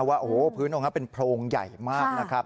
ว่าโอ้โหพื้นตรงนั้นเป็นโพรงใหญ่มากนะครับ